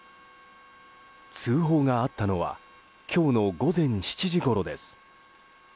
通報があったのは今日の午前７時ごろです。